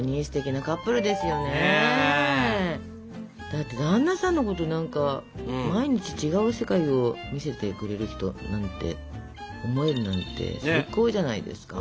だって旦那さんのこと何か「毎日違う世界を見せてくれる人」なんて思えるなんて最高じゃないですか。